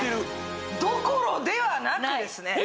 どころではなくですね